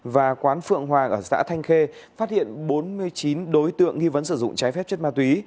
và quán phượng hoàng ở xã thanh khê phát hiện bốn mươi chín đối tượng nghi vấn sử dụng trái phép chất ma túy